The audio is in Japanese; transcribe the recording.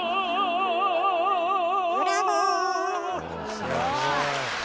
すごい。